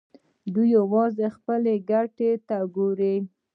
دوی یوازې خپلو ګټو ته ګوري.